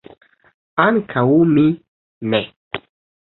Ankaŭ mi ne.